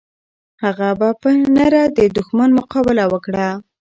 هغه په نره د دښمن مقابله وکړه.